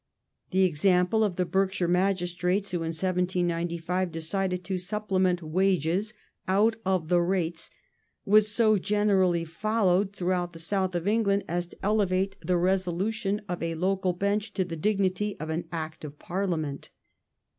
The example of the Berkshire magistrates who, in 1795, decided to supplement wages out of the rates was so generally followed throughout the South of England as to elevate the resolution of a local bench to the dignity of an "Act of Parliament".